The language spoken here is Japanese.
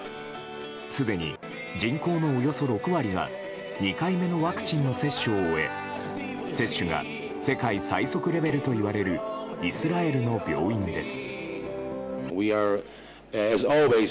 すでに人口のおよそ６割が２回目のワクチンの接種を終え接種が世界最速レベルといわれるイスラエルの病院です。